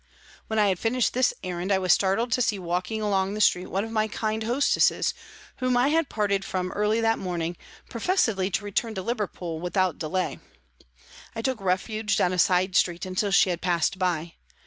When I had finished this errand I was startled to see walking along the street one of my kind JANE WARTON 241 hostesses, whom I had parted from early that morning, professedly to return to Liverpool without delay. I took refuge down a side street until she had passed by.